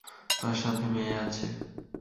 তার সাথে মেয়ে আছে।